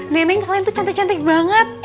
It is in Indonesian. neneng kalian tuh cantik cantik banget